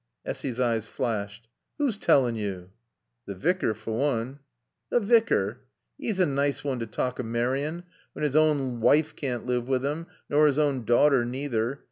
Essy's eyes flashed. "Who's tallin' yo'?" "T' Vicar, for woon." "T' Vicar! 'E's a nice woon t' taalk o' marryin', whan 'is awn wife caan't live wi' 'im, nor 'is awn daughter, neither.